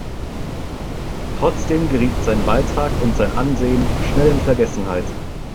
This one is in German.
Trotzdem geriet sein Beitrag und sein Ansehen schnell in Vergessenheit.